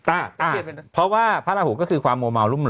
อ่าอ่าเพราะว่าพระอาหุกก็คือความโมวรุ่น